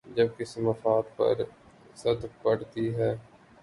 جب کسی مفاد پر زد پڑتی ہے۔